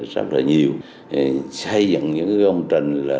sạt lở nhiệt